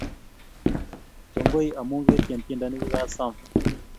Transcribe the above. kongoi amu ketyen tyendo nikagasom